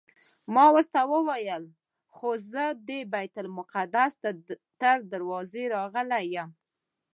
ما ورته وویل خو زه د بیت المقدس تر دروازې راغلی یم.